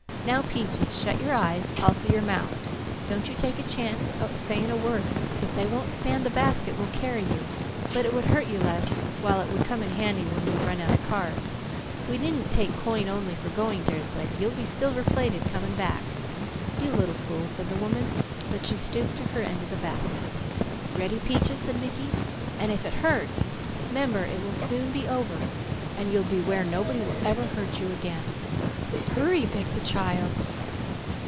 "Now Peaches, shut your eyes, also your mouth. Don't you take a chance at saying a word. If they won't stand the basket, we'll carry you, but it would hurt you less, while it would come in handy when we run out of cars. You needn't take coin only for going, dearest lady; you'll be silver plated coming back." "You little fool," said the woman, but she stooped to her end of the basket. "Ready, Peaches," said Mickey, "and if it hurts, 'member it will soon be over, and you'll be where nobody will ever hurt you again." "Hurry!" begged the child.